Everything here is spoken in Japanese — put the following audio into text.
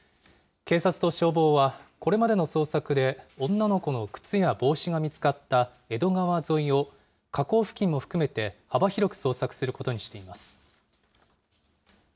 警察と消防はこれまでの捜索で、女の子の靴や帽子が見つかった江戸川沿いを河口付近も含めて、幅広く捜索することにしています。